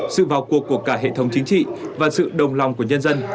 sự vào cuộc của cả hệ thống chính trị và sự đồng lòng của nhân dân